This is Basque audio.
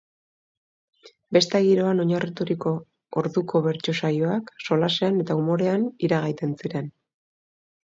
Besta giroan oinarriturik, orduko bertso saioak jolasean eta umorean iragaiten ziren.